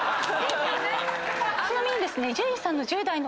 ちなみにですね。